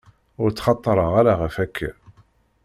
Ur ttxaṭareɣ ara ɣef akka.